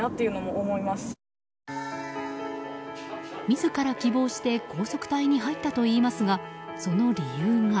自ら希望して高速隊に入ったといいますがその理由が。